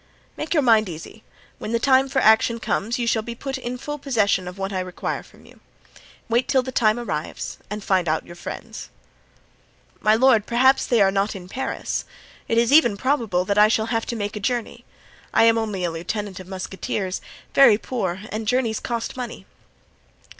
"Make your mind easy; when the time for action comes you shall be put in full possession of what I require from you; wait till that time arrives and find out your friends." "My lord, perhaps they are not in Paris. It is even probable that I shall have to make a journey. I am only a lieutenant of musketeers, very poor, and journeys cost money.